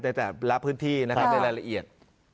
แต่แต่รับพื้นที่นะคะในรายละเอียด